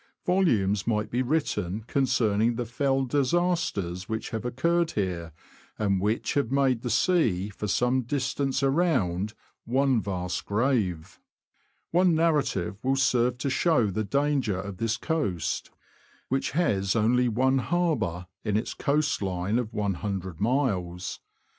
Volumes might be written concerning the fell disasters which have occurred here, and which have made the sea for some distance around one vast grave. One narrative 166 THE LAND OF THE BROADS. will serve to show the danger of this coast, which has only one harbour in its coast line of lOO miles.